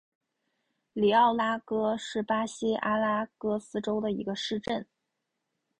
里奥拉戈是巴西阿拉戈斯州的一个市镇。